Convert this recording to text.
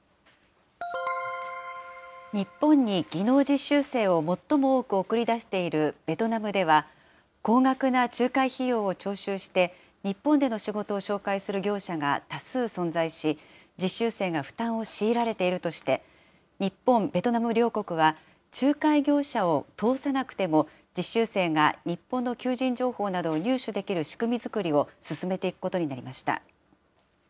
日本に技能実習生を最も多く送り出しているベトナムでは、高額な仲介費用を徴収して、日本での仕事を紹介する業者が多数存在し、実習生が負担を強いられているとして、日本、ベトナム両国は、仲介業者を通さなくても実習生が日本の求人情報などを入手できる仕組み作りを進めていくことになりました。